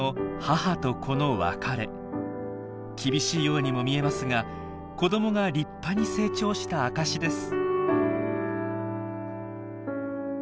厳しいようにも見えますが子どもが立派に成長した証しです。